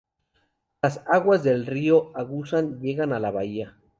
La aguas del río Agusan llegan a la bahía.